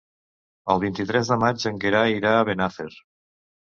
El vint-i-tres de maig en Gerai irà a Benafer.